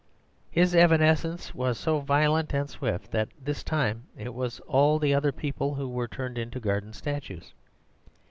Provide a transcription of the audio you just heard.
His evanescence was so violent and swift, that this time it was all the other people who were turned into garden statues.